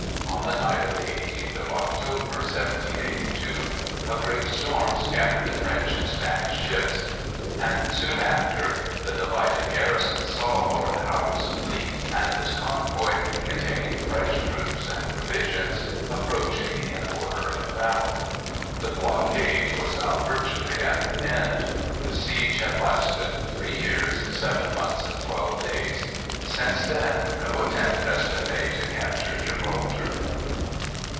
On the night of the 18th of October, 1782, a great storm scattered the French and Spanish ships; and soon after the delighted garrison saw Lord Howe's fleet and his convoy, containing fresh troops and provisions, approaching in order of battle. The blockade was now virtually at an end. The siege had lasted three years, seven months, and twelve days. Since then no attempt has been made to capture Gibraltar.